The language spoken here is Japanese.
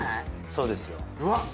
そうですようわっ